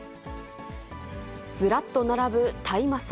ずらっと並ぶ大麻草。